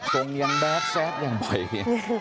ตรงยังแบบแซทยังบ่อยยัง